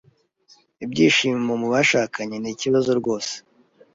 Ibyishimo mu bashakanye ni ikibazo rwose.